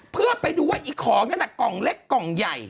เพื่อไปดูว่าอีของนั่นน่ะกล่องเล็กกล่องใหญ่